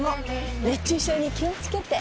熱中症に気をつけて